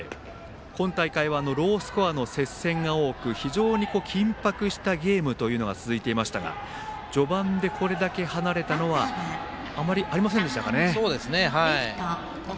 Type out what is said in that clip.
今大会はロースコアの接戦が多く非常に緊迫したゲームというのが続いていましたが序盤でこれだけ離れたのはあまりありませんでしたかね。